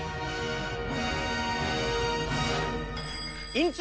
院長！